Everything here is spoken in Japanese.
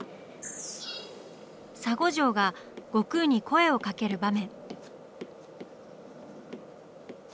沙悟浄が悟空に声をかける場面。